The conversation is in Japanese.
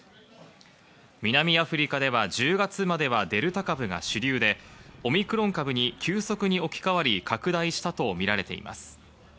南アフリカでは１０月まではデルタ株が主流でオミクロン株に急速に置き換わり拡大したとみられています。